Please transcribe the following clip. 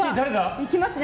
いきますね。